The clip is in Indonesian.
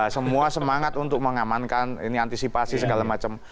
semua semangat untuk mengamankan ini antisipasi segala macam